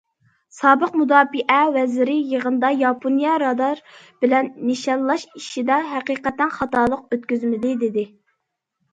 سابىق مۇداپىئە ۋەزىرى يىغىندا: ياپونىيە رادار بىلەن نىشانلاش ئىشىدا« ھەقىقەتەن خاتالىق ئۆتكۈزمىدى» دېدى.